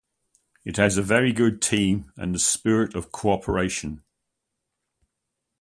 It has a very good team and the spirit of cooperation.